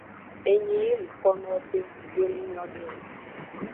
Enyi yi nukonowo be nggbe nu nyode o.